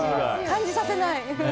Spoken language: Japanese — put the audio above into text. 感じさせない！